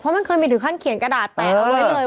มันเคยมีถึงขั้นเขียนกระดาษแปะเอาไว้เลย